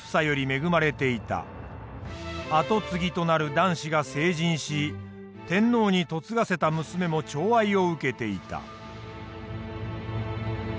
跡継ぎとなる男子が成人し天皇に嫁がせた娘も寵愛を受けていた。